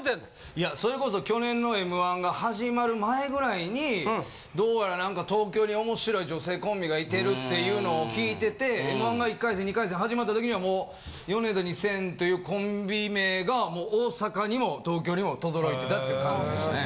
いやそれこそ去年の『Ｍ−１』が始まる前ぐらいにどうやら東京に面白い女性コンビがいてるっていうのを聞いてて『Ｍ−１』が１回戦２回戦始まった時にはもうヨネダ２０００というコンビ名がもう大阪にも東京にも轟いてたっていう感じでしたね。